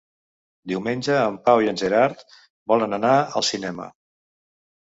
Diumenge en Pau i en Gerard volen anar al cinema.